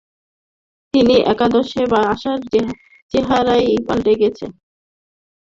তিনি একাদশে আসায় চেহারাই পাল্টে গেছে আর্জেন্টাইন ডিফেন্সের, পোক্ত হয়েছে আরও।